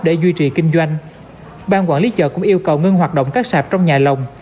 để duy trì kinh doanh ban quản lý chợ cũng yêu cầu ngưng hoạt động các sạp trong nhà lồng